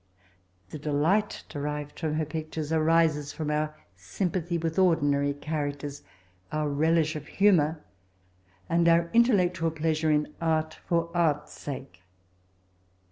The delight derived from her pictares arises from oar sympathv with ordinary characters, oar relish of hamoar, and oar intellectoal plea sore in art for art's sake.